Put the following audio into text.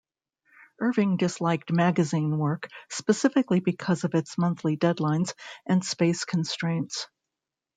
Irving disliked magazine work, specifically because of its monthly deadlines and space constraints.